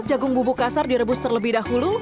jagung bubuk kasar direbus terlebih dahulu